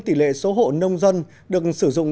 tỷ lệ số hộ nông dân được sử dụng